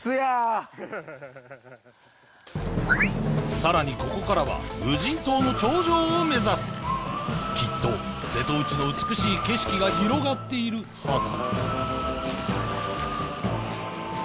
さらにここからは無人島の頂上を目指すきっと瀬戸内の美しい景色が広がっているはず